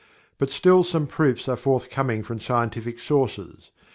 But still some proofs are forthcoming from scientific sources.